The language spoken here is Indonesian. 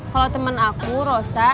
kalau temen aku rosa